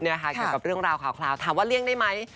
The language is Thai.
แถวไม่ถึงเรื่องราวข่าวถามว่าเลี่ยงได้ไหม